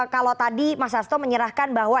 kalau tadi mas asto menyerahkan bahwa